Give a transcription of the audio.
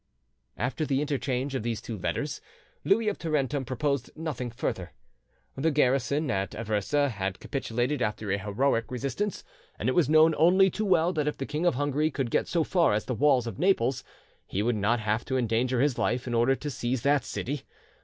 After the interchange of these two letters, Louis of Tarentum proposed nothing further. The garrison at Aversa had capitulated after a heroic resistance, and it was known only too well that if the King of Hungary could get so far as the walls of Naples, he would not have to endanger his life in order to seize that city.